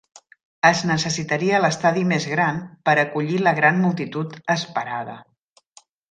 Es necessitaria l'estadi més gran per acollir la gran multitud esperada.